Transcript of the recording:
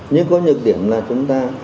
nhưng có nhược điểm là chúng ta